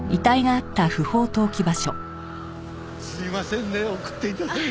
すみませんね送って頂いて。